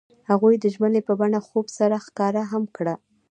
هغوی د ژمنې په بڼه خوب سره ښکاره هم کړه.